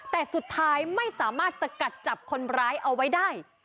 แต่สุดท้ายไม่สามารถสกัดจับคนร้ายเอาไว้ได้